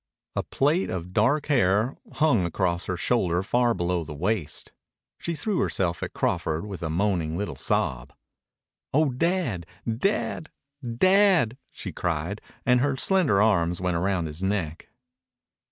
A plait of dark hair hung across her shoulder far below the waist. She threw herself at Crawford with a moaning little sob. "Oh Dad ... Dad ... Dad!" she cried, and her slender arms went round his neck.